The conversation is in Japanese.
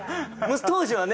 当時はね